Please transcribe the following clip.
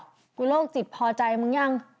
ไม่ใช่หรอกูโลกจิตพอใจมึงยัง